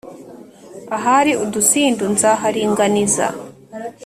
ahari udusindu nzaharinganiza,